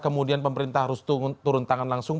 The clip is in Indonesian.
kemudian pemerintah harus turun tangan langsung